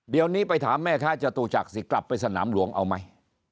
เดี๋ยวนี้ไปถามแม่ค้าจตุจักรสิกลับไปสนามหลวงเอาไหม